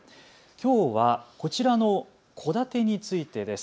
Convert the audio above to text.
きょうはこちらの戸建てについてです。